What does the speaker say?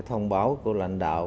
thông báo của lãnh đạo